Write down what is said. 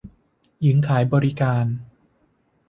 หญิงขายบริการ